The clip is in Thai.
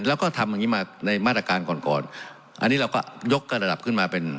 แล้วก็ทำอย่างงี้มาในมาตรการก่อนก่อนอันนี้เราก็ยกระดับขึ้นมาเป็น